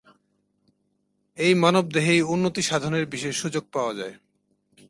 এই মানবদেহেই উন্নতিসাধনের বিশেষ সুযোগ পাওয়া যায়।